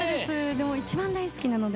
でも一番大好きなので。